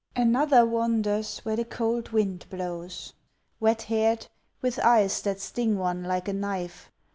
Another wanders where the cold wind blows, Wet haired, with eyes that sting one like a knife.